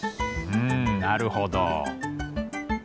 うんなるほど。